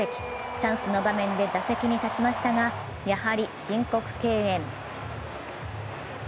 チャンスの場面で打席に立ちましたがやはり、申告敬遠。